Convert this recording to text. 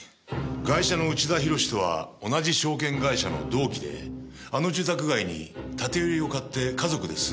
ガイシャの内田寛とは同じ証券会社の同期であの住宅街に建て売りを買って家族で住んでいました。